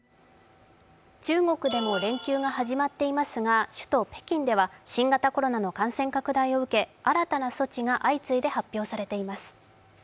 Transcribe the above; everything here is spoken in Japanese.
中国でも連休が始まっていますが首都・北京では新型コロナの感染拡大を受け新たな措置が相次いで発表されています。